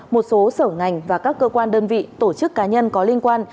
một số sở ngành và các cơ quan đơn vị tổ chức cá nhân có liên quan